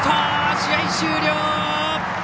試合終了！